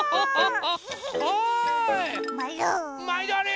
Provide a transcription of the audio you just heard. まいどあり！